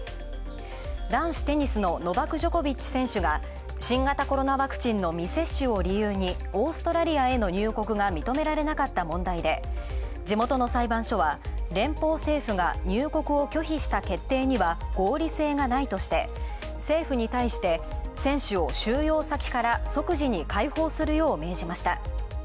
男子テニスのノバク・ジョコビッチ選手が、新型コロナワクチンの未接種を理由にオーストラリアへの入国が認められなかった問題で、地元の裁判所は連邦政府が入国を拒否した決定には合理性がないとして政府に対して、選手を収容先から即時に解放するよう報じました。